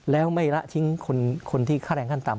แล้วไม่ละทิ้งคนที่ค่าแรงขั้นต่ำ